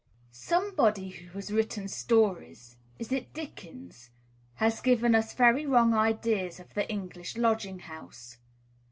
Somebody who has written stories (is it Dickens?) has given us very wrong ideas of the English lodging house.